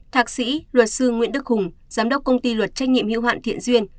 thạc sĩ luật sư nguyễn đức hùng giám đốc công ty luật trách nhiệm hiệu hoạn thiện duyên